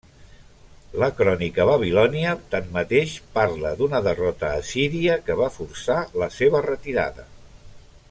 La Crònica Babilònia tanmateix parla d'una derrota assíria que va forçar la seva retirada.